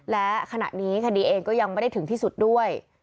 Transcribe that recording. และขณะนี้คดีเองก็ยังไม่ได้ถึงที่สุดด้วย